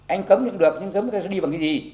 anh cấm thì cũng được anh cấm thì đi bằng cái gì